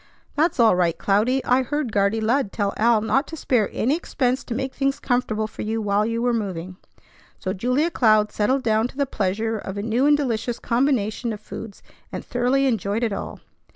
"That's all right, Cloudy. I heard Guardy Lud tell Al not to spare any expense to make things comfortable for you while you were moving." So Julia Cloud settled down to the pleasure of a new and delicious combination of foods, and thoroughly enjoyed it all.